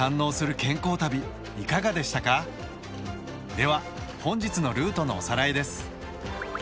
では本日のルートのおさらいです。